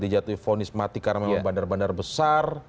dijatuhi vonismatik karena memang bandar bandar besar